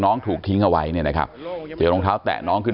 น้องถูกทิ้งเอาไว้เนี่ยนะครับเจอรองเท้าแตะน้องขึ้น